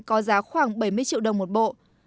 có giá khoảng bảy mươi triệu đồng một bộ